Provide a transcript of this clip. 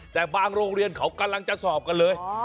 แต่บางโรงเรียนเขากำลังจะสอบกันเลย